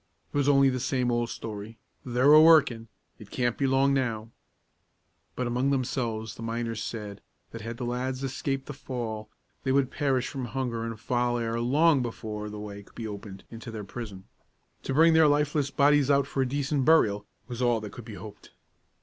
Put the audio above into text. It was only the same old story: "They're a workin'. It can't be long now." But among themselves the miners said that had the lads escaped the fall, they would perish from hunger and foul air long before the way could be opened into their prison. To bring their lifeless bodies out for decent burial was all that could be hoped.